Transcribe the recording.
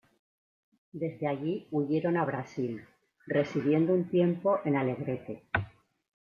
Desde allí huyeron a Brasil, residiendo un tiempo en Alegrete.